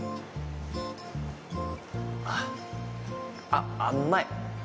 あっ、甘い。